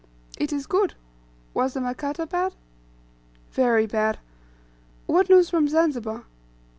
"It is good. Was the Makata bad?" "Very bad." "What news from Zanzibar?"